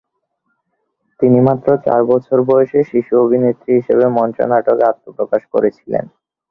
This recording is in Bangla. তিনি মাত্র চার বছর বয়সে শিশু অভিনেত্রী হিসাবে মঞ্চ নাটকে আত্মপ্রকাশ করেছিলেন।